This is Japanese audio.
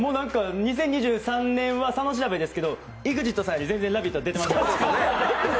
２０２３年は、佐野調べですけどＥＸＩＴさんより、全然「ラヴィット！」出てますから。